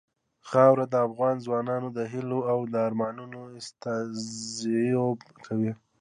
خاوره د افغان ځوانانو د هیلو او ارمانونو استازیتوب کوي.